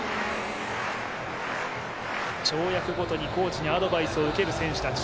跳躍ごとにコーチにアドバイスを受ける選手たち。